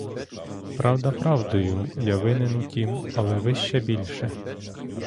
Правда — правдою, я винен у тім, але ви ще більше.